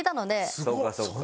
そうかそうか。